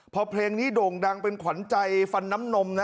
พอเพลงนี้โด่งดังเป็นขวัญใจฟันน้ำนมนะ